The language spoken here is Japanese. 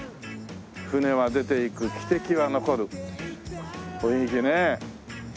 船は出て行く汽笛は残る雰囲気ね。